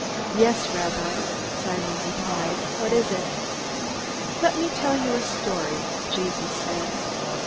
"Yes, Rabbi?" Simon replied. "What is it?" "Let me tell you a story," Jesus said.